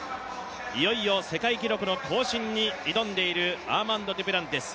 いよいよ世界記録の更新に挑んでいるアーマンド・デュプランティス。